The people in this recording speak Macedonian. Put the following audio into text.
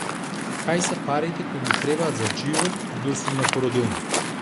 Кај се парите кои ми требаат за живот дур сум на породилно.